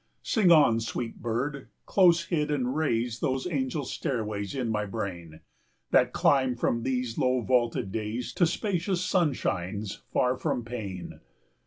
Sing on, sweet bird, close hid, and raise Those angel stairways in my brain, 30 That climb from these low vaulted days To spacious sunshines far from pain.